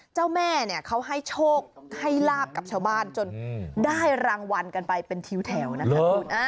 เจ้าแม่เนี่ยเขาให้โชคให้ลาบกับชาวบ้านจนได้รางวัลกันไปเป็นทิ้วแถวนะคะคุณ